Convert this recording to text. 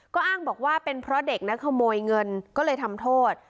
ก็อ้างบอกว่าเป็นเพราะเด็กนะขโมยเงินก็เลยทำโทษ